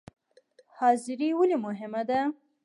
حاضري ولې مهمه ده؟